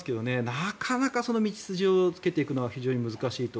なかなかその道筋をつけていくのは非常に難しいと。